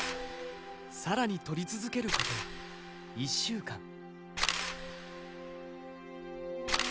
さらに撮り続けること１週間。